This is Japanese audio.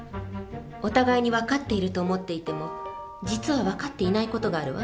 お互いに分かっていると思っていても実は分かっていない事があるわ。